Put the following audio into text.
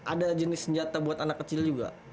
ada jenis senjata buat anak kecil juga